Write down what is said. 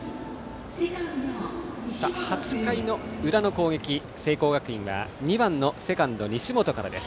８回裏の攻撃、聖光学院は２番のセカンドの西本から。